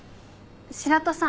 白土さん。